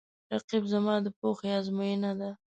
رقیب زما د پوهې آزموینه ده